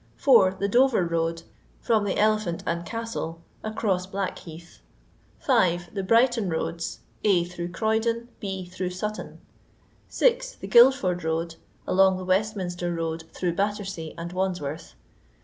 4. TAe Dover Road, fbm the Elephant and Castle, across Blackheath. 5. The Brighton Roads, (a) through Croydon, (f) through Sutton. 6. The Guildford Road, along the Westminster Road through Battersea and Wandsworth.